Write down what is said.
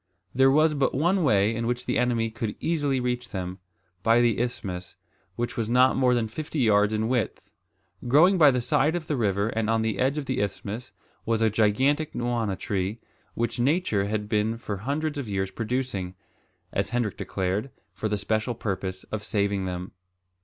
There was but one way in which the enemy could easily reach them, by the isthmus, which was not more than fifty yards in width. Growing by the side of the river and on the edge of the isthmus, was a gigantic nwana tree, which nature had been for hundreds of years producing, as Hendrik declared, for the special purpose of saving them.